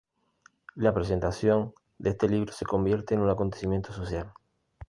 La presentación de este libro se convierte en un acontecimiento social.